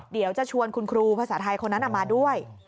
เดี๋ยวจะชวนคุณครูภาษาไทยคนนั้นมาด้วย